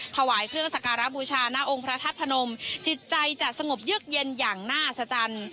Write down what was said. ถวายเครื่องสักการะบูชาณะองค์พระทัศน์พนมจิตใจจะสงบเยื้อกเย็นอย่างน่าสัจจัน